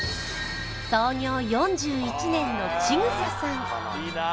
創業４１年の千草さん